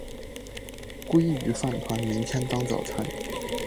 鲑鱼饭团明天当早餐